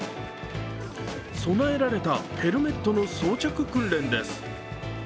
備えられたヘルメットの装着訓練です。